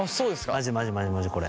マジマジマジマジこれ。